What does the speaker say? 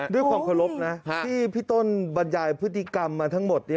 ด้วยความเคารพนะที่พี่ต้นบรรยายพฤติกรรมมาทั้งหมดนี้